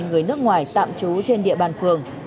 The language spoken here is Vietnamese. người nước ngoài tạm trú trên địa bàn phường